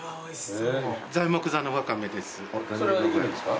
それはできるんですか？